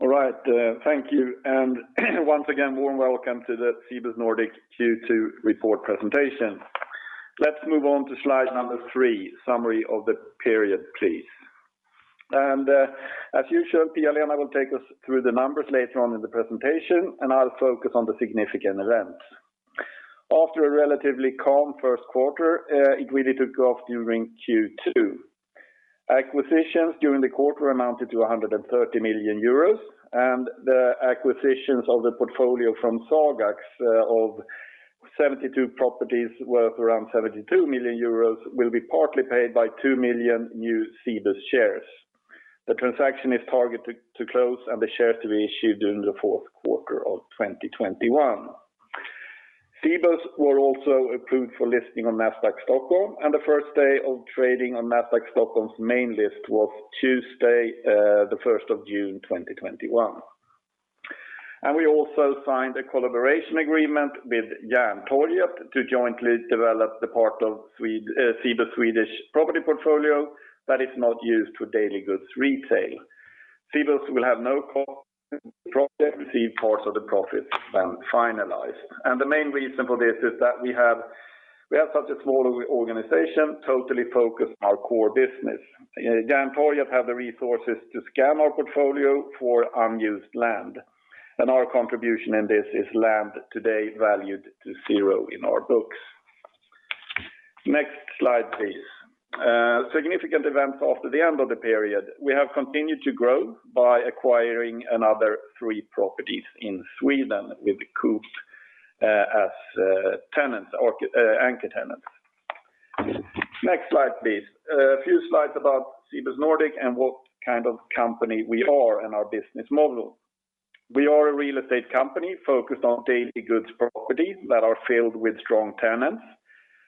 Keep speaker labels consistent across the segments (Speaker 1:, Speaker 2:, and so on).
Speaker 1: All right. Thank you. Once again, warm welcome to the Cibus Nordic Q2 report presentation. Let's move on to slide number three, summary of the period, please. As usual, Pia-Lena will take us through the numbers later on in the presentation, and I'll focus on the significant events. After a relatively calm first quarter, it really took off during Q2. Acquisitions during the quarter amounted to 130 million euros, and the acquisitions of the portfolio from Sagax of 72 properties worth around 72 million euros will be partly paid by 2 million new Cibus shares. The transaction is targeted to close and the shares to be issued during the fourth quarter of 2021. Cibus was also approved for listing on Nasdaq Stockholm, and the first day of trading on Nasdaq Stockholm's main list was Tuesday, June 1st, 2021. We also signed a collaboration agreement with Järntorget to jointly develop the part of Cibus Swedish property portfolio that is not used for daily goods retail. Cibus will have no cost to the project, receive parts of the profit when finalized. The main reason for this is that we have such a small organization totally focused on our core business. Järntorget have the resources to scan our portfolio for unused land. Our contribution in this is land today valued to zero in our books. Next slide, please. Significant events after the end of the period. We have continued to grow by acquiring another three properties in Sweden with Coop as anchor tenants. Next slide, please. A few slides about Cibus Nordic and what kind of company we are and our business model. We are a real estate company focused on daily goods properties that are filled with strong tenants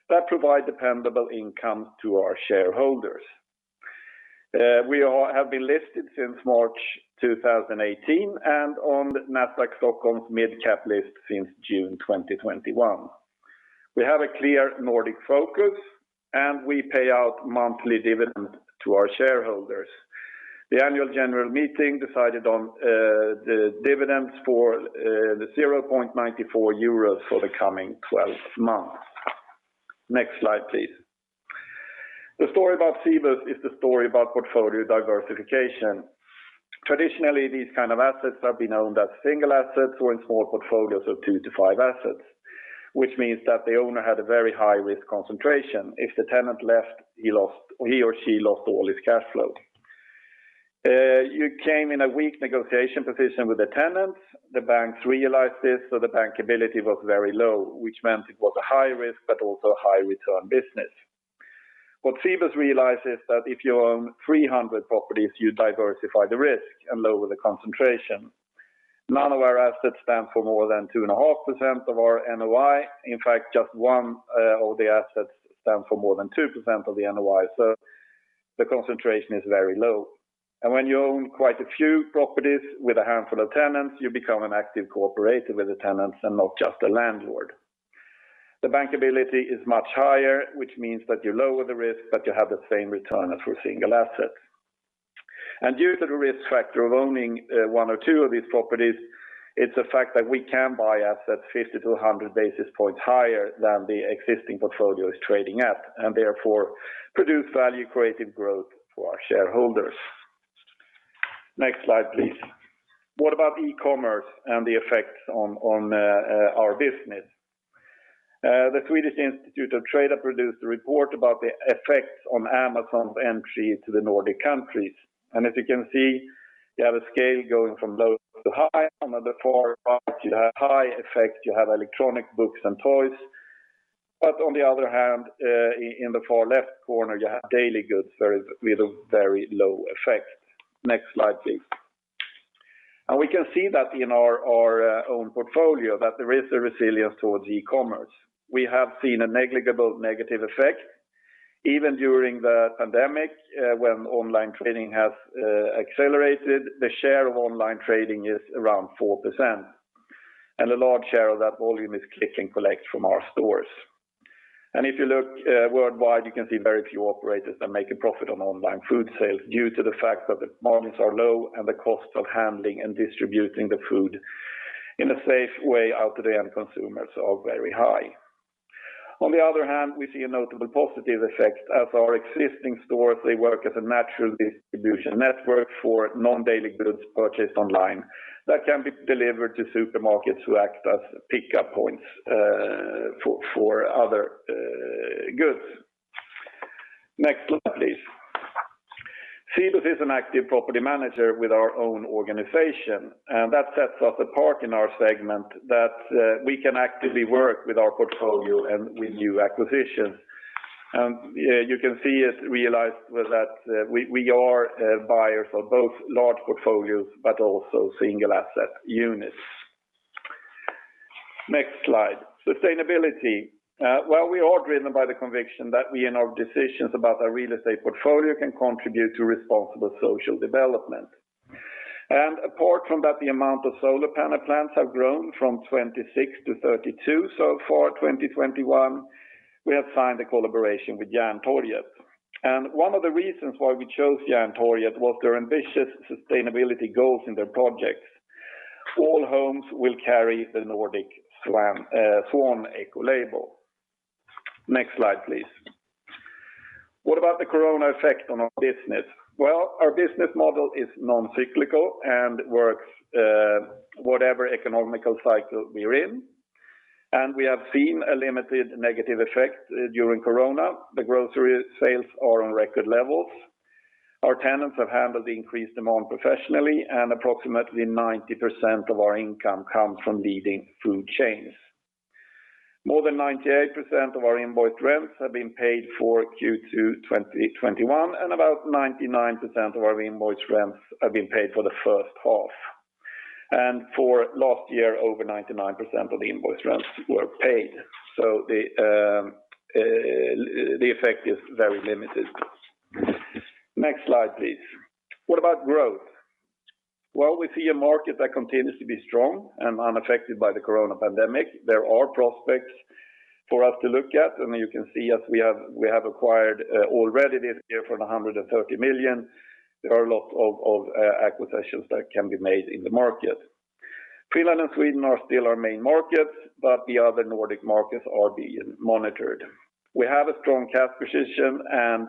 Speaker 1: that provide dependable income to our shareholders. We have been listed since March 2018 and on the Nasdaq Stockholm's mid-cap list since June 2021. We have a clear Nordic focus. We pay out monthly dividends to our shareholders. The annual general meeting decided on the dividends for the 0.94 euros for the coming 12 months. Next slide, please. The story about Cibus is the story about portfolio diversification. Traditionally, these kind of assets have been owned as single assets or in small portfolios of two to five assets, which means that the owner had a very high-risk concentration. If the tenant left, he or she lost all his cash flow. You came in a weak negotiation position with the tenants. The banks realized this, so the bankability was very low, which meant it was a high-risk but also a high-return business. What Cibus realized is that if you own 300 properties, you diversify the risk and lower the concentration. None of our assets stands for more than 2.5% of our NOI. In fact, just one of the assets stands for more than 2% of the NOI. The concentration is very low. When you own quite a few properties with a handful of tenants, you become an active cooperative with the tenants and not just a landlord. The bankability is much higher, which means that you lower the risk, but you have the same return as for single assets. Due to the risk factor of owning one or two of these properties, it's a fact that we can buy assets 50-100 basis points higher than the existing portfolio is trading at, and therefore produce value-creative growth for our shareholders. Next slide, please. What about e-commerce and the effects on our business? The Swedish Retail Institute produced a report about the effects on Amazon's entry to the Nordic countries. As you can see, you have a scale going from low to high. On the far right, you have high effect, you have electronic books and toys. On the other hand, in the far left corner, you have daily goods with a very low effect. Next slide, please. We can see that in our own portfolio that there is a resilience towards e-commerce. We have seen a negligible negative effect. Even during the pandemic, when online trading has accelerated, the share of online trading is around 4%. A large share of that volume is click and collect from our stores. If you look worldwide, you can see very few operators that make a profit on online food sales due to the fact that the margins are low and the cost of handling and distributing the food in a safe way out to the end consumers are very high. On the other hand, we see a notable positive effect as our existing stores, they work as a natural distribution network for non-daily goods purchased online that can be delivered to supermarkets who act as pickup points for other goods. Next slide, please. Cibus is an active property manager with our own organization. That sets us apart in our segment that we can actively work with our portfolio and with new acquisitions. You can see it realized with that we are buyers of both large portfolios, but also single asset units. Next slide. Sustainability. Well, we are driven by the conviction that we in our decisions about our real estate portfolio can contribute to responsible social development. Apart from that, the amount of solar panel plants have grown from 26-32. So far, 2021, we have signed a collaboration with Järntorget. One of the reasons why we chose Järntorget was their ambitious sustainability goals in their projects. All homes will carry the Nordic Swan Ecolabel. Next slide, please. What about the corona effect on our business? Well, our business model is non-cyclical and works whatever economic cycle we're in, and we have seen a limited negative effect during corona. The grocery sales are on record levels. Our tenants have handled the increased demand professionally, and approximately 90% of our income comes from leading food chains. More than 98% of our invoiced rents have been paid for Q2 2021, and about 99% of our invoiced rents have been paid for the first half. For last year, over 99% of the invoiced rents were paid. The effect is very limited. Next slide, please. What about growth? Well, we see a market that continues to be strong and unaffected by the corona pandemic. There are prospects for us to look at, and you can see as we have acquired already this year for 130 million. There are a lot of acquisitions that can be made in the market. Finland and Sweden are still our main markets, but the other Nordic markets are being monitored. We have a strong cash position.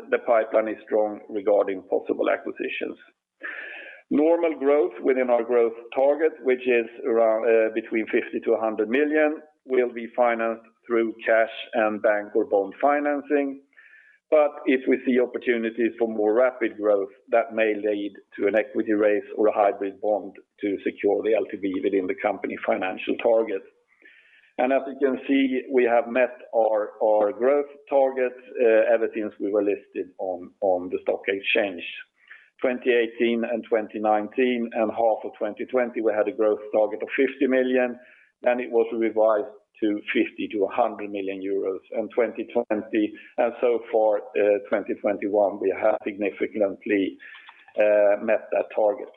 Speaker 1: The pipeline is strong regarding possible acquisitions. Normal growth within our growth target, which is between 50 million-100 million, will be financed through cash and bank or bond financing. If we see opportunities for more rapid growth, that may lead to an equity raise or a hybrid bond to secure the LTV within the company financial target. As you can see, we have met our growth targets ever since we were listed on the stock exchange. 2018 and 2019 and half of 2020, we had a growth target of 50 million, then it was revised to 50 million-100 million euros in 2020. So far in 2021, we have significantly met that target.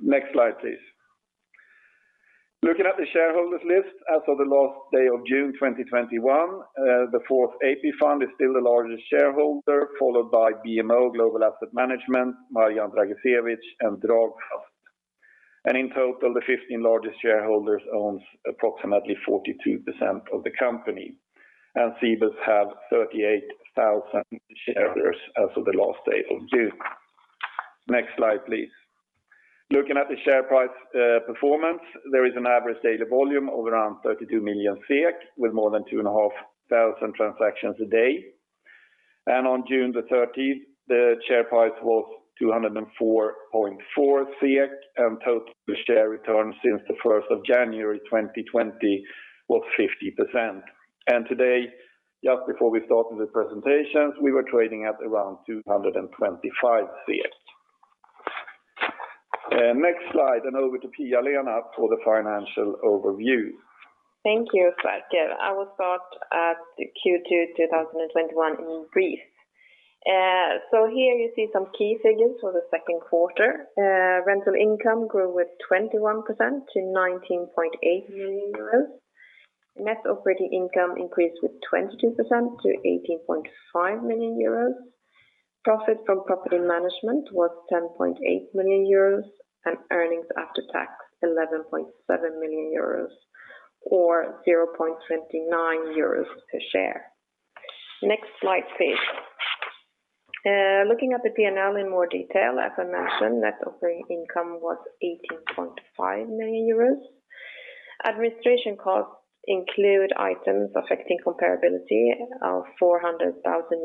Speaker 1: Next slide, please. Looking at the shareholders list as of the last day of June 2021, the Fourth AP Fund is still the largest shareholder, followed by BMO Global Asset Management, Marija Dragičević, and Dragfast. In total, the 15 largest shareholders own approximately 42% of the company. Cibus have 38,000 shareholders as of the last day of June. Next slide, please. Looking at the share price performance, there is an average daily volume of around 32 million SEK with more than 2,500 transactions a day. On June 30th, the share price was 204.4, and total share return since January 1st, 2020 was 50%. Today, just before we started the presentation, we were trading at around 225. Next slide, and over to Pia-Lena for the financial overview.
Speaker 2: Thank you, Sverker. I will start at the Q2 2021 in brief. Here you see some key figures for the second quarter. Rental income grew with 21% to 19.8 million euros. Net operating income increased with 22% to 18.5 million euros. Profit from property management was 10.8 million euros, and earnings after tax, 11.7 million euros or 0.29 euros per share. Next slide, please. Looking at the P&L in more detail, as I mentioned, net operating income was 18.5 million euros. Administration costs include items affecting comparability of 400,000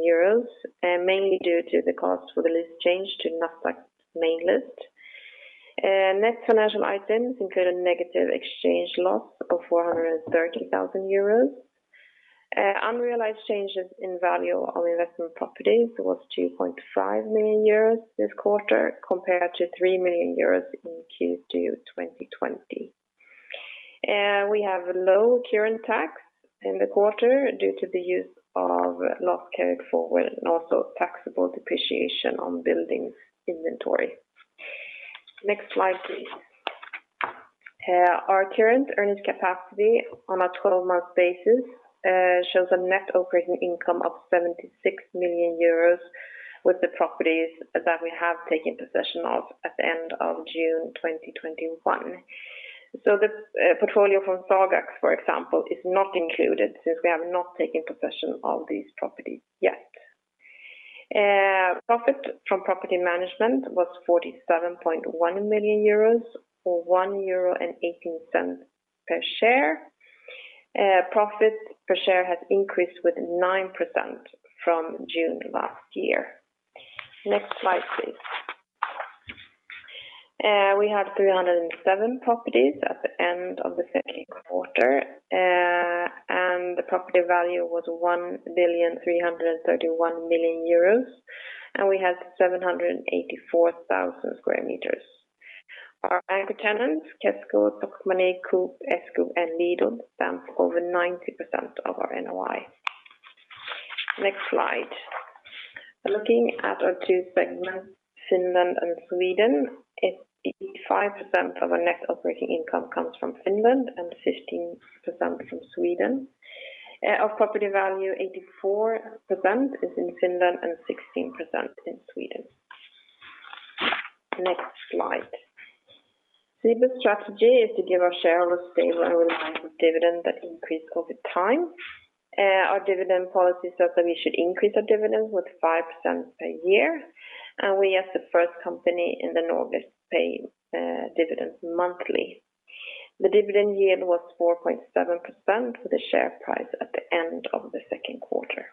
Speaker 2: euros, mainly due to the cost for the list change to Nasdaq's main list. Net financial items include a negative exchange loss of 430,000 euros. Unrealized changes in value of investment properties was 2.5 million euros this quarter, compared to 3 million euros in Q2 2020. We have low current tax in the quarter due to the use of loss carried forward and also taxable depreciation on building inventory. Next slide, please. Our current earnings capacity on a 12-month basis shows a Net operating income of 76 million euros with the properties that we have taken possession of at the end of June 2021. The portfolio from Sagax, for example, is not included since we have not taken possession of these properties yet. Profit from property management was 47.1 million euros or 1.18 euro per share. Profit per share has increased with 9% from June last year. Next slide, please. We had 307 properties at the end of the second quarter, and the property value was 1,331,000,000 euros, and we had 784,000 sq m. Our anchor tenants, Kesko, S-Group, and Lidl stand for over 90% of our NOI. Next slide. Looking at our two segments, Finland and Sweden, 85% of our net operating income comes from Finland and 15% from Sweden. Of property value, 84% is in Finland and 16% in Sweden. Next slide. Cibus strategy is to give our shareholders stable and rising dividend that increase over time. Our dividend policy says that we should increase our dividend with 5% per year, and we are the first company in the Nordics paying dividends monthly. The dividend yield was 4.7% for the share price at the end of the second quarter.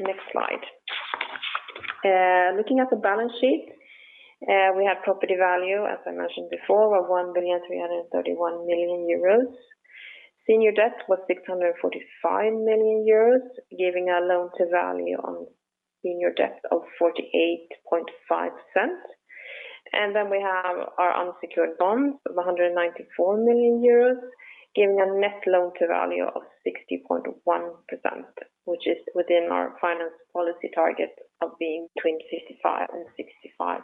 Speaker 2: Next slide. Looking at the balance sheet, we have property value, as I mentioned before, of 1,331,000,000 euros. Senior debt was 645 million euros, giving a loan-to-value ratio on senior debt of 48.5%. We have our unsecured bonds of 194 million euros, giving a net loan-to-value of 60.1%, which is within our finance policy target of being between 55%-65%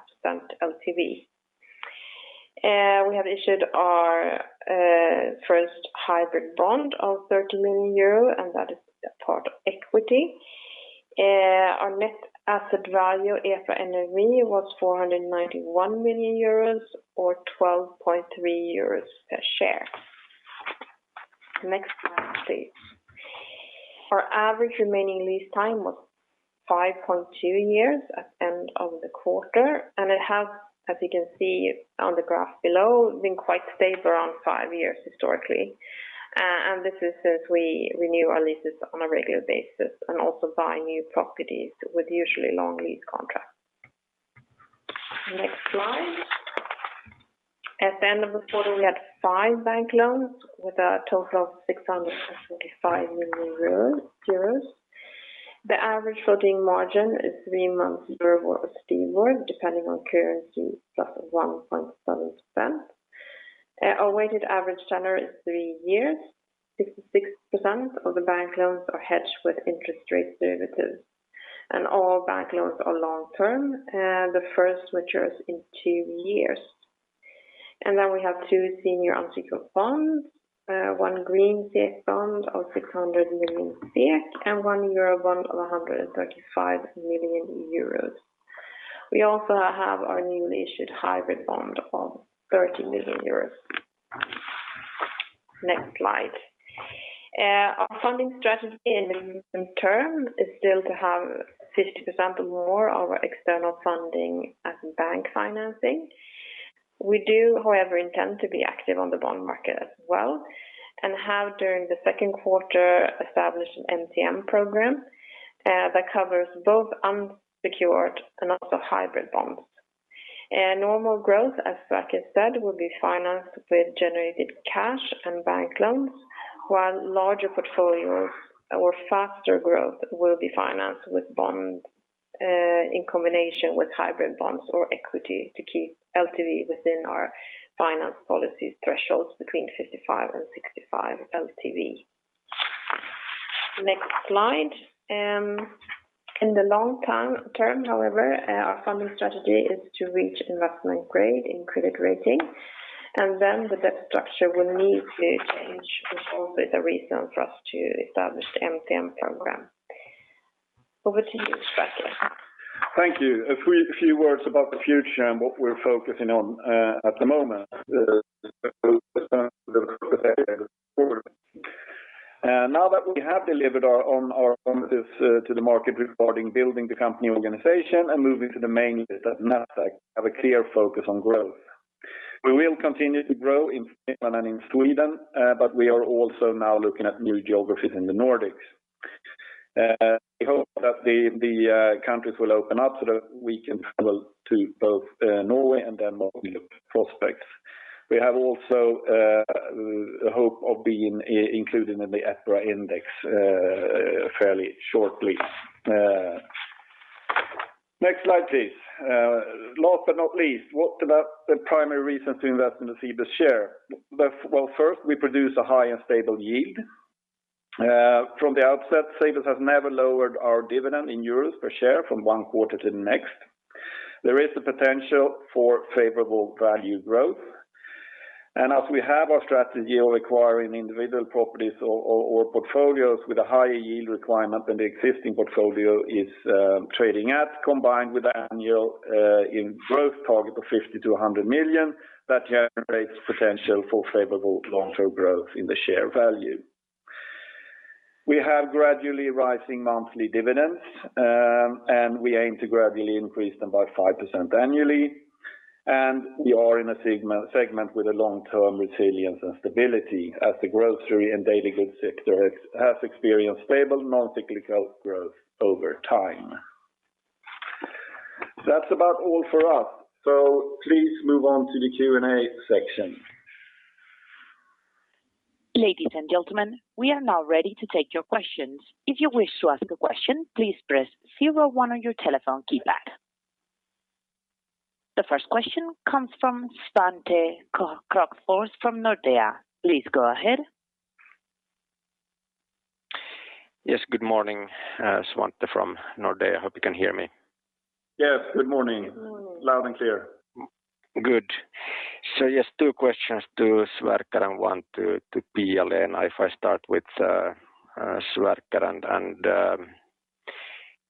Speaker 2: LTV. We have issued our first hybrid bond of 30 million euro, and that is a part of equity. Our net asset value, IFRS NAV, was 491 million euros or 12.30 euros per share. Next slide, please. Our average remaining lease time was 5.2 years at the end of the quarter, and it has, as you can see on the graph below, been quite stable around five years historically. This is since we renew our leases on a regular basis and also buy new properties with usually long lease contracts. Next slide. At the end of the quarter, we had five bank loans with a total of 645 million euros. The average floating margin is three months EURIBOR or STIBOR, depending on currency, plus 1.7%. Our weighted average tenor is three years. 66% of the bank loans are hedged with interest rate derivatives. All bank loans are long-term. The first matures in two years. Then we have two senior unsecured bonds, one green SEK bond of 600 million, and one euro bond of 135 million euros. We also have our newly issued hybrid bond of 30 million euros. Next slide. Our funding strategy in the medium term is still to have 50% or more our external funding as bank financing. We do, however, intend to be active on the bond market as well, and have during the second quarter established an MTN program that covers both unsecured and also hybrid bonds. Normal growth, as Sverker said, will be financed with generated cash and bank loans, while larger portfolios or faster growth will be financed with bonds in combination with hybrid bonds or equity to keep LTV within our finance policy thresholds between 55 and 65 LTV. Next slide. In the long term, however, our funding strategy is to reach investment grade in credit rating, and then the debt structure will need to change. Also is the reason for us to establish the MTN program. Over to you, Sverker.
Speaker 1: Thank you. A few words about the future and what we're focusing on at the moment. Now that we have delivered on our promises to the market regarding building the company organization and moving to the main list at Nasdaq, have a clear focus on growth. We will continue to grow in Finland and in Sweden. We are also now looking at new geographies in the Nordics. We hope that the countries will open up so that we can travel to both Norway and then more prospects. We have also the hope of being included in the EPRA Index fairly shortly. Next slide, please. Last but not least, what about the primary reasons to invest in the Cibus share? Well, first, we produce a high and stable yield. From the outset, Cibus has never lowered our dividend in euro per share from one quarter to the next. There is the potential for favorable value growth. As we have our strategy of acquiring individual properties or portfolios with a higher yield requirement than the existing portfolio is trading at, combined with the annual growth target of 50 million-100 million, that generates potential for favorable long-term growth in the share value. We have gradually rising monthly dividends. We aim to gradually increase them by 5% annually. We are in a segment with a long-term resilience and stability as the grocery and daily goods sector has experienced stable non-cyclical growth over time. That's about all for us, so please move on to the Q&A section.
Speaker 3: Ladies and gentlemen, we are now ready to take your questions. If you wish to ask a question, please press zero one on your telephone keypad. The first question comes from Svante Krokfors from Nordea. Please go ahead.
Speaker 4: Yes, good morning. Svante from Nordea. Hope you can hear me.
Speaker 1: Yes. Good morning.
Speaker 2: Morning.
Speaker 1: Loud and clear.
Speaker 4: Good. Just two questions to Sverker and one to Pia-Lena. If I start with Sverker,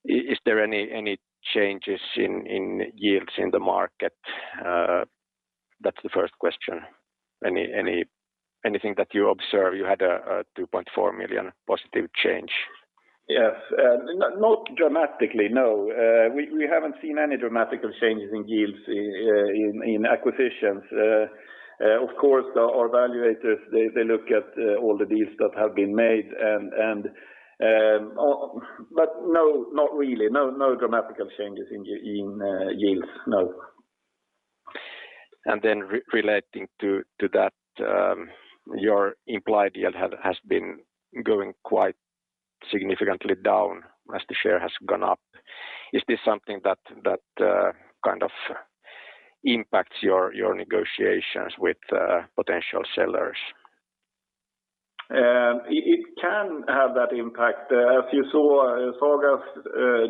Speaker 4: is there any changes in yields in the market? That's the first question. Anything that you observe? You had a 2.4 million positive change.
Speaker 1: Yes. Not dramatically, no. We haven't seen any dramatic changes in yields in acquisitions. Of course, our evaluators, they look at all the deals that have been made, but no, not really. No dramatic changes in yields, no.
Speaker 4: Relating to that, your implied yield has been going quite significantly down as the share has gone up. Is this something that kind of impacts your negotiations with potential sellers?
Speaker 1: It can have that impact. As you saw, Sagax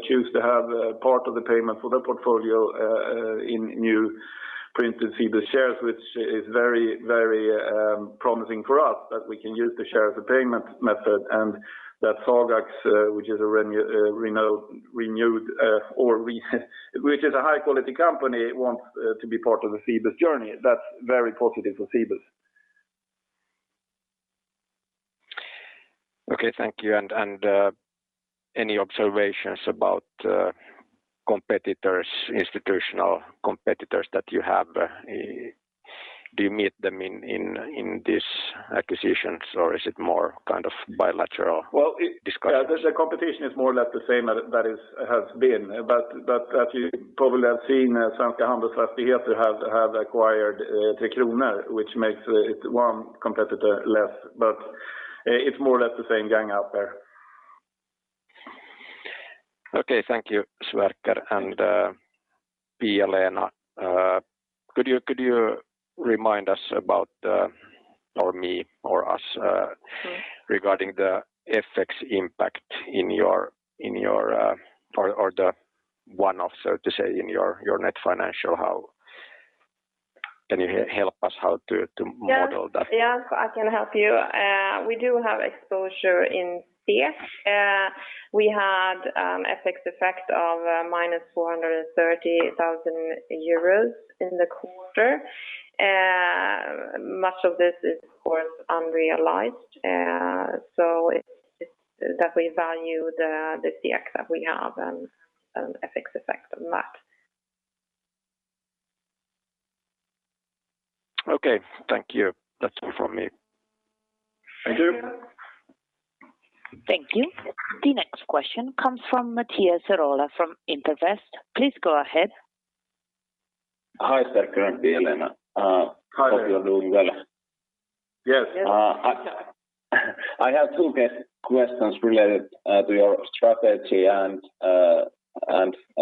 Speaker 1: chose to have part of the payment for the portfolio in new printed Cibus shares, which is very promising for us that we can use the share as a payment method, and that Sagax which is a high-quality company, wants to be part of the Cibus journey. That's very positive for Cibus.
Speaker 4: Okay, thank you. Any observations about institutional competitors that you have? Do you meet them in these acquisitions or is it more kind of bilateral discussions?
Speaker 1: The competition is more or less the same that it has been, but that you probably have seen Svenska Handelsfastigheter have acquired Tre Kronor, which makes it one competitor less, but it's more or less the same gang out there.
Speaker 4: Okay, thank you, Sverker. Pia-Lena, could you remind us about?
Speaker 2: Sure
Speaker 4: Regarding the FX impact in your, or the one-off, so to say, in your net financial, how can you help us how to model that?
Speaker 2: Yes, I can help you. We do have exposure in FX. We had FX effect of -430,000 euros in the quarter. Much of this is, of course, unrealized. It's definitely value the FX that we have and an FX effect on that.
Speaker 4: Okay, thank you. That's all from me.
Speaker 1: Thank you.
Speaker 2: Thank you.
Speaker 3: Thank you. The next question comes from Matias Arola from Inderes. Please go ahead.
Speaker 5: Hi, Sverker and Pia-Lena.
Speaker 1: Hi, there.
Speaker 5: Hope you're doing well.
Speaker 1: Yes.
Speaker 2: Yes.
Speaker 5: I have two questions related to your strategy and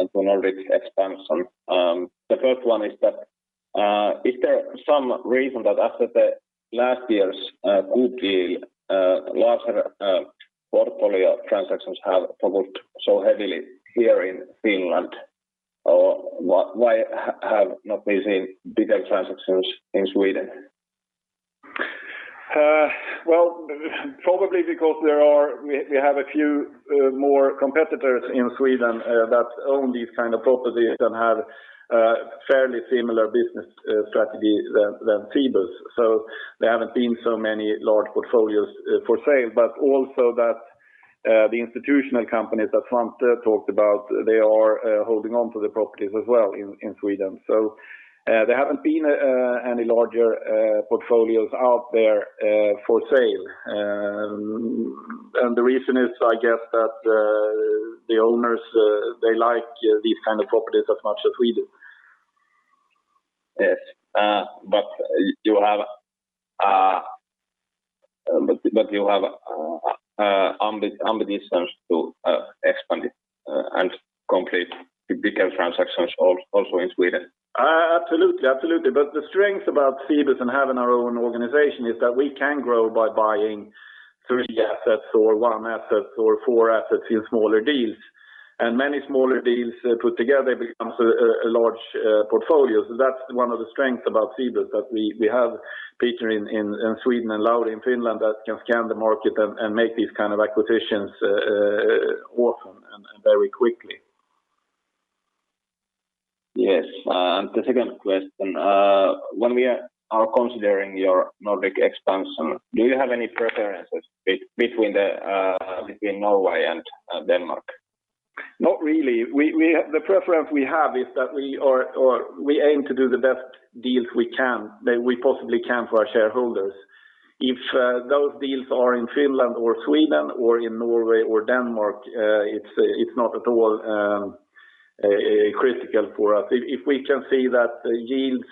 Speaker 5: to Nordic expansion. The first one is that, is there some reason that after the last year's good deal larger portfolio transactions have provoked so heavily here in Finland, or why have not we seen bigger transactions in Sweden?
Speaker 1: Well, probably because we have a few more competitors in Sweden that own these kind of properties and have a fairly similar business strategy than Cibus. There haven't been so many large portfolios for sale, but also that the institutional companies that Svante talked about, they are holding on to the properties as well in Sweden. There haven't been any larger portfolios out there for sale. The reason is, I guess that the owners, they like these kind of properties as much as we do.
Speaker 5: Yes. You have ambitions to expand it, and complete bigger transactions also in Sweden?
Speaker 1: Absolutely. The strength about Cibus and having our own organization is that we can grow by buying three assets or one asset or four assets in smaller deals, and many smaller deals put together becomes a large portfolio. That's one of the strengths about Cibus, that we have Peter in Sweden and Lauri in Finland that can scan the market and make these kind of acquisitions often and very quickly.
Speaker 5: Yes. The second question, when we are considering your Nordic expansion, do you have any preferences between Norway and Denmark?
Speaker 1: Not really. The preference we have is that we aim to do the best deals we possibly can for our shareholders. If those deals are in Finland or Sweden or in Norway or Denmark, it is not at all critical for us. If we can see that the yields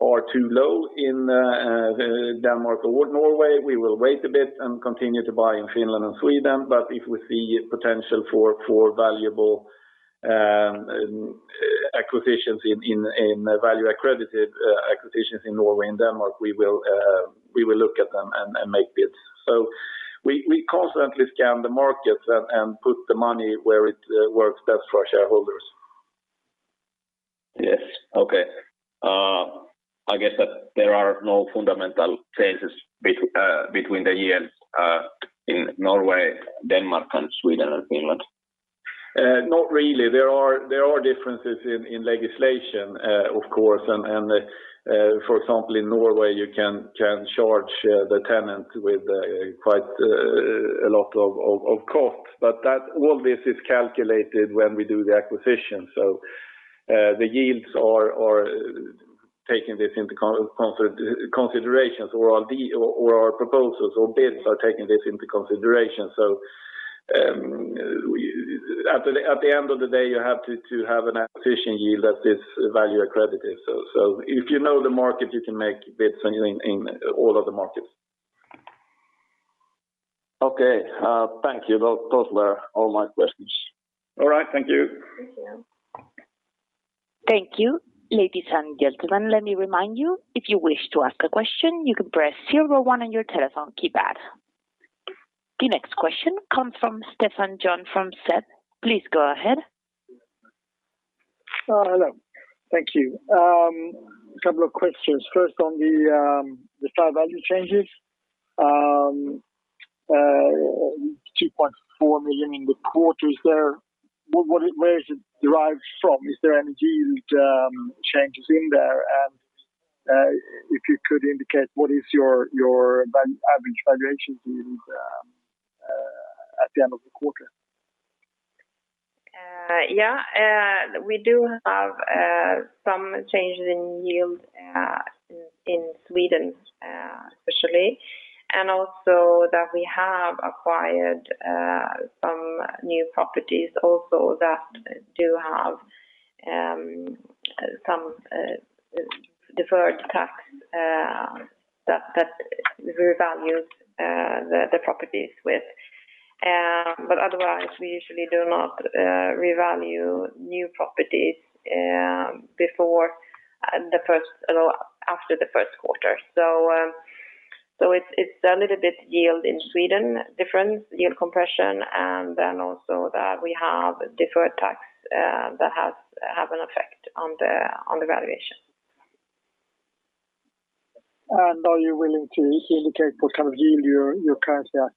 Speaker 1: are too low in Denmark or Norway, we will wait a bit and continue to buy in Finland and Sweden. If we see potential for valuable acquisitions in value-accretive acquisitions in Norway and Denmark, we will look at them and make bids. We constantly scan the markets and put the money where it works best for our shareholders.
Speaker 5: Yes. Okay. I guess that there are no fundamental changes between the years in Norway, Denmark, and Sweden and Finland.
Speaker 1: Not really. There are differences in legislation, of course. For example, in Norway, you can charge the tenant with quite a lot of cost. All this is calculated when we do the acquisition. The yields are taking this into considerations, or our proposals or bids are taking this into consideration. At the end of the day, you have to have an acquisition yield that is value-accretive. If you know the market, you can make bids in all of the markets.
Speaker 5: Okay. Thank you. Those were all my questions.
Speaker 1: All right. Thank you.
Speaker 2: Thank you.
Speaker 3: Thank you. Ladies and gentlemen, let me remind you, if you wish to ask a question, you can press zero one on your telephone keypad. The next question comes from Stefan John from SEB. Please go ahead.
Speaker 6: Hello. Thank you. A couple of questions. First, on the fair value changes, 2.4 million in the quarter. Where is it derived from? Is there any yield changes in there? If you could indicate what is your average valuations at the end of the quarter?
Speaker 2: Yeah. We do have some changes in yield in Sweden, especially. Also, that we have acquired some new properties also that do have some deferred tax that we revalued the properties with. Otherwise, we usually do not revalue new properties after the first quarter. It's a little bit yield in Sweden difference, yield compression, and then also that we have deferred tax that have an effect on the valuation.
Speaker 6: Are you willing to indicate what kind of yield you currently are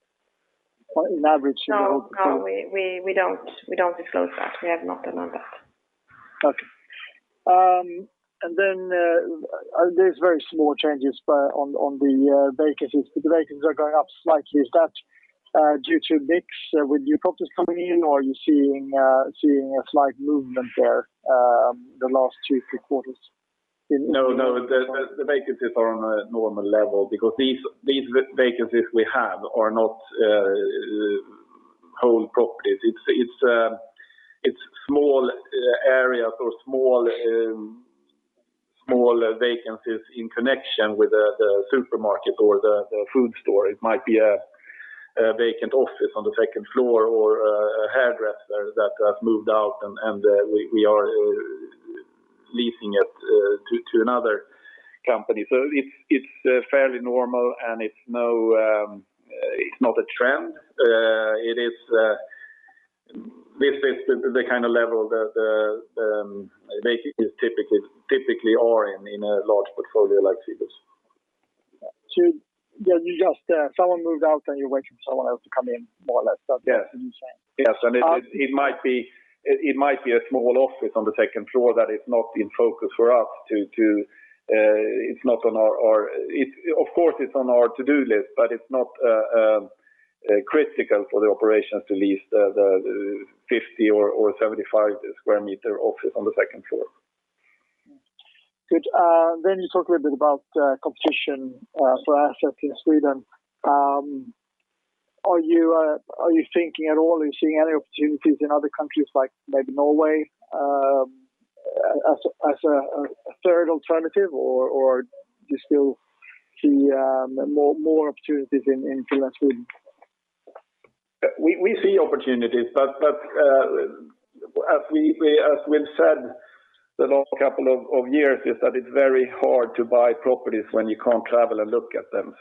Speaker 6: in average?
Speaker 2: No, we don't disclose that. We have not done that.
Speaker 6: Okay. There's very small changes on the vacancies. The vacancies are going up slightly. Is that due to mix with new properties coming in, or are you seeing a slight movement there the last two, three quarters?
Speaker 1: The vacancies are on a normal level because these vacancies we have are not whole properties. It's small areas or small vacancies in connection with the supermarket or the food store. It might be a vacant office on the second floor or a hairdresser that has moved out, and we are leasing it to another company. It's fairly normal, and it's not a trend. This is the kind of level that the vacancy is typically are in a large portfolio like Cibus.
Speaker 6: Someone moved out, and you're waiting for someone else to come in, more or less. Is that what you're saying?
Speaker 1: Yes. It might be a small office on the second floor that is not in focus for us. Of course, it's on our to-do list, but it's not critical for the operations to lease the 50 or 75 sq meter office on the second floor.
Speaker 6: Good. You talked a little bit about competition for assets in Sweden. Are you thinking at all or you are seeing any opportunities in other countries like maybe Norway as a third alternative, or do you still see more opportunities in Finland and Sweden?
Speaker 1: We see opportunities, but as we've said the last couple of years, is that it's very hard to buy properties when you can't travel and look at them.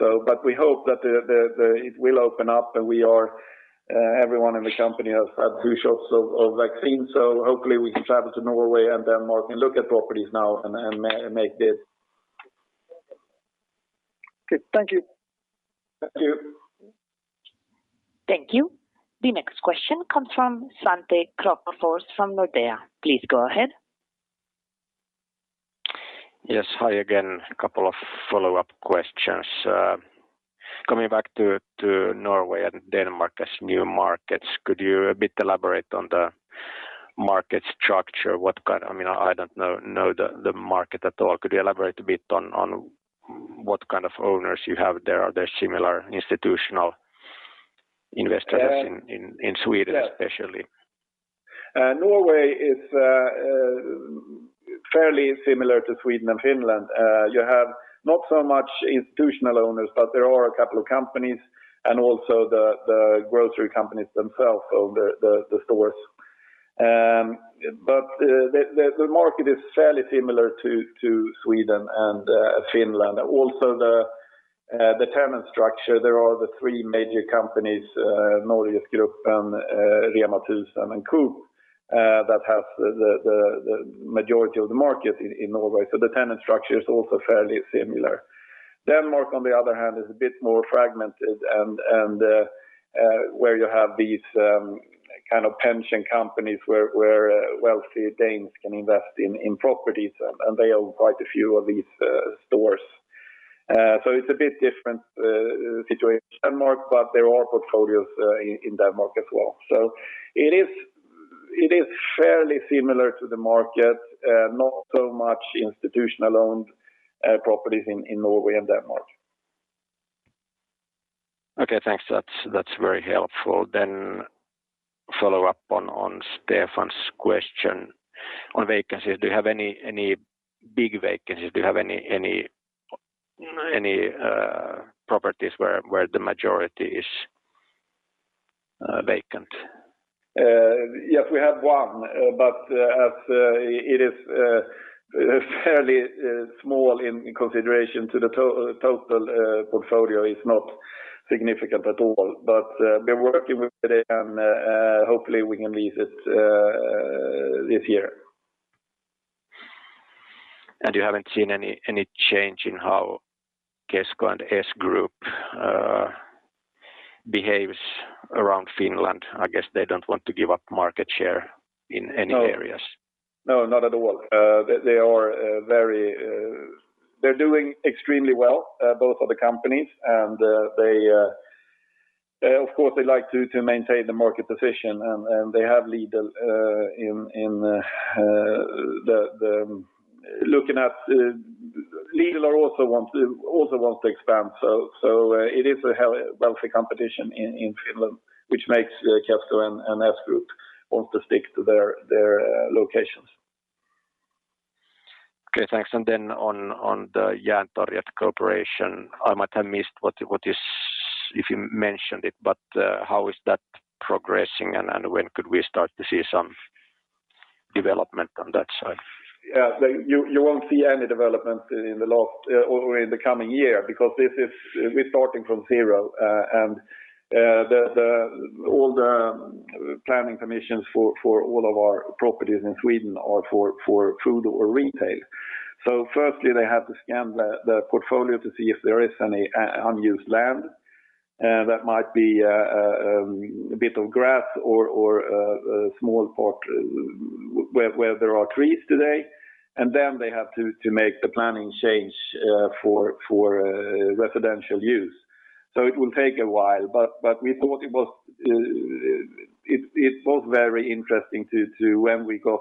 Speaker 1: We hope that it will open up, and everyone in the company has had two shots of vaccine, so hopefully we can travel to Norway and Denmark and look at properties now and make bids.
Speaker 6: Good. Thank you.
Speaker 1: Thank you.
Speaker 3: Thank you. The next question comes from Svante Krokfors from Nordea. Please go ahead.
Speaker 4: Yes. Hi again. A couple of follow-up questions. Coming back to Norway and Denmark as new markets, could you a bit elaborate on the market structure? I don't know the market at all. Could you elaborate a bit on what kind of owners you have there? Are there similar institutional investors as in Sweden, especially?
Speaker 1: Norway is fairly similar to Sweden and Finland. You have not so much institutional owners, but there are a couple of companies, and also the grocery companies themselves own the stores. The market is fairly similar to Sweden and Finland. Also, the tenant structure, there are the three major companies, NorgesGruppen, REMA 1000, and Coop that have the majority of the market in Norway. The tenant structure is also fairly similar. Denmark, on the other hand, is a bit more fragmented where you have these kind of pension companies where wealthy Danes can invest in properties, and they own quite a few of these stores. It's a bit different situation in Denmark, but there are portfolios in Denmark as well. It is fairly similar to the market, not so much institutional-owned properties in Norway and Denmark.
Speaker 4: Okay, thanks. That's very helpful. Follow up on Stefan's question on vacancies. Do you have any big vacancies? Do you have any properties where the majority is vacant?
Speaker 1: Yes, we have one, but as it is fairly small in consideration to the total portfolio, it's not significant at all. We're working with it, and hopefully we can lease it this year.
Speaker 4: You haven't seen any change in how Kesko and S-Group behaves around Finland? I guess they don't want to give up market share in any areas.
Speaker 1: No, not at all. They're doing extremely well both of the companies. Of course, they like to maintain the market position, and they have Lidl in looking at Lidl also wants to expand, so it is a healthy competition in Finland, which makes Kesko and S-Group want to stick to their locations.
Speaker 4: Okay, thanks. On the Järntorget cooperation, I might have missed if you mentioned it, but how is that progressing, and when could we start to see some development on that side?
Speaker 1: You won't see any development in the coming year, because we're starting from zero. All the planning permissions for all of our properties in Sweden are for food or retail. Firstly, they have to scan the portfolio to see if there is any unused land that might be a bit of grass or a small part where there are trees today. Then they have to make the planning change for residential use. It will take a while, but we thought it was very interesting when we got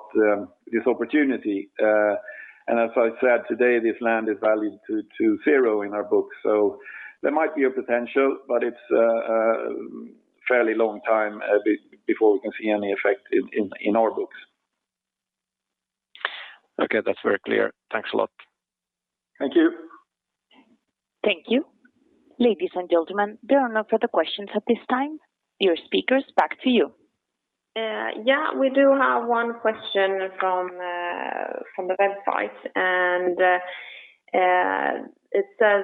Speaker 1: this opportunity. As I said, today, this land is valued to zero in our books. There might be a potential, but it's a fairly long time before we can see any effect in our books.
Speaker 4: Okay. That's very clear. Thanks a lot.
Speaker 1: Thank you.
Speaker 3: Thank you. Ladies and gentlemen, there are no further questions at this time. Dear speakers, back to you.
Speaker 2: We do have one question from the website, and it says,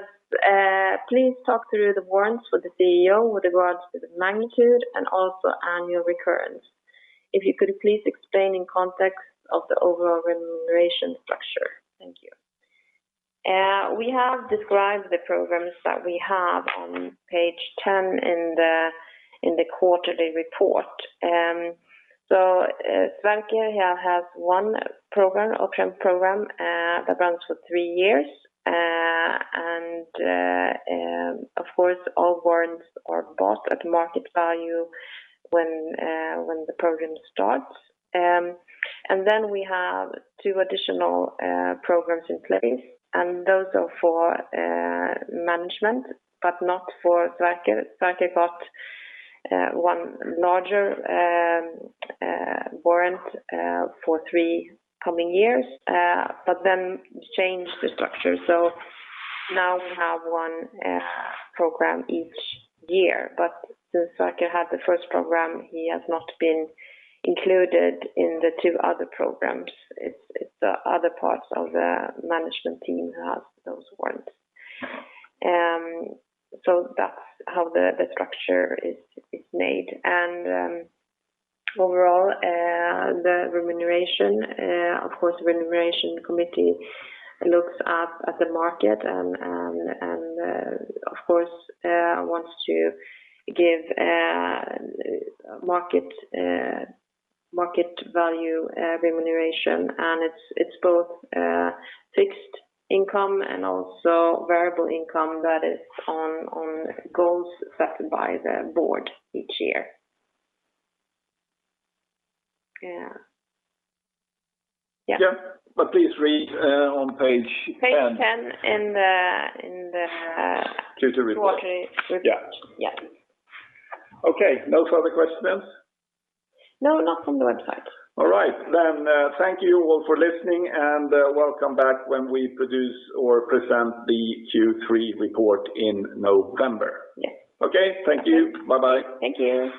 Speaker 2: "Please talk through the warrants for the CEO with regards to the magnitude and also annual recurrence. If you could please explain in context of the overall remuneration structure. Thank you." We have described the programs that we have on page 10 in the quarterly report. Sverker here has one program, option program, that runs for three years. Of course, all warrants are bought at market value when the program starts. We have two additional programs in place, and those are for management, but not for Sverker. Sverker bought one larger warrant for three coming years but then changed the structure. Now we have one program each year. Since Sverker had the first program, he has not been included in the two other programs. It's the other parts of the management team who have those warrants. That's how the structure is made. Overall, the remuneration committee looks up at the market and of course, wants to give market value remuneration, and it's both fixed income and also variable income that is on goals set by the board each year. Yeah.
Speaker 1: Yeah. Please read on page 10.
Speaker 2: Page 10.
Speaker 1: Q2 report.
Speaker 2: Quarterly report.
Speaker 1: Yeah.
Speaker 2: Yeah.
Speaker 1: Okay. No further questions?
Speaker 3: No, not from the website.
Speaker 1: All right. Thank you all for listening, and welcome back when we produce or present the Q3 report in November.
Speaker 2: Yeah.
Speaker 1: Okay. Thank you. Bye-bye.
Speaker 2: Thank you.